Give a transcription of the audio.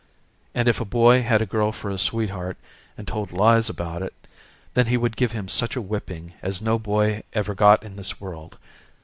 And if a boy had a girl for a sweetheart and told lies about it then he would give him such a whipping as no boy ever got in this world.